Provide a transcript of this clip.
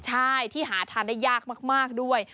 ใช่ที่หาทานได้ยากมากด้วย